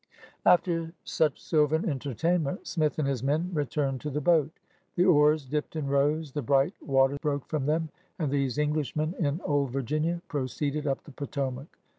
After such sylvan entertainment Smith and his men returned to the boat. The oars dipped and rose, the bright water broke from them; and these Englishmen in Old Virginia proceeded up the Potomac.